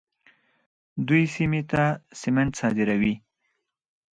دوی سیمې ته سمنټ صادروي.